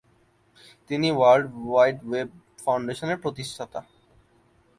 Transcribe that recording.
তিনি world wide web ফাউন্ডেশনের প্রতিষ্ঠাতা।